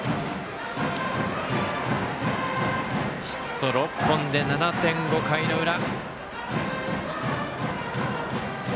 ヒット６本で７点、５回の裏。